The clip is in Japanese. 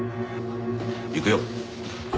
行くよ。